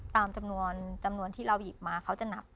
ตามจำนวนจำนวนที่เราหยิบมาเขาจะหนัก